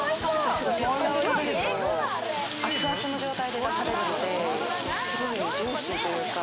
鉄板で食べると熱々の状態で出されるので、すごいジューシーというか。